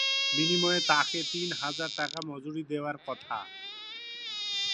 বিনিময়ে তাঁকে তিন হাজার টাকা মজুরি দেওয়ার কথা।